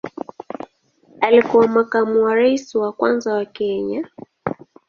Alikuwa makamu wa rais wa kwanza wa Kenya.